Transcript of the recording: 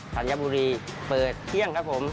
ธัญบุรีเปิดเที่ยงครับผม